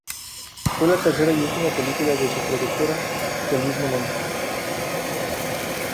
Fue la tercera y última película de su productora del mismo nombre.